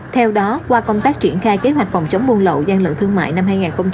theo đó qua công tác triển khai kế hoạch phòng chống buôn lậu gian lận thương mại năm hai nghìn hai mươi